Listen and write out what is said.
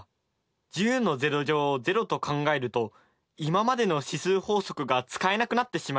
１０を０と考えると今までの指数法則が使えなくなってしまいますね。